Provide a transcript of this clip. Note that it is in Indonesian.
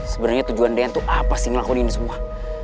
sebenernya tujuan dan tuh apa sih ngelakuin ini semua